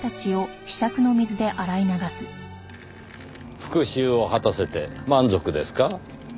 復讐を果たせて満足ですか？